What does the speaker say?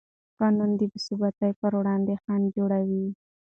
قانون د بېثباتۍ پر وړاندې خنډ جوړوي.